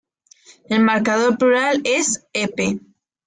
El marcador plural es "-ep".